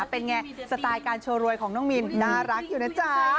เป็นไงสไตล์การโชว์รวยของน้องมินน่ารักอยู่นะจ๊ะ